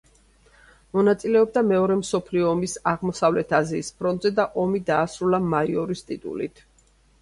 მონაწილეობდა მეორე მსოფლიო ომის აღმოსავლეთ აზიის ფრონტზე და ომი დაასრულა მაიორის ტიტულით.